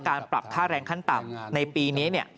การปรับค่าแรงขั้นต่ำในปีนี้